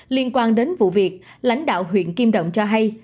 liên quan đến vụ việc lãnh đạo huyện kim động cho hay